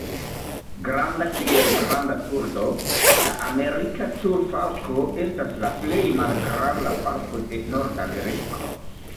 Granda kiel granda turdo, la Amerika turfalko estas la plej malgranda falko de Nordameriko.